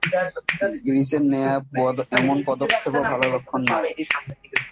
গ্রীসের নেয়া এমন পদক্ষেপও ভালো লক্ষণ নয়।